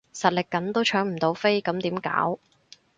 實力緊都搶唔到飛咁點搞？